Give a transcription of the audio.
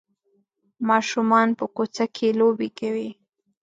ماشومان په کوڅه کې لوبې کوي.